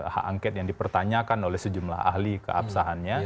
hak angket yang dipertanyakan oleh sejumlah ahli keabsahannya